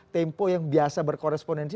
tempo yang biasa berkoresponensi